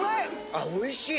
あおいしい！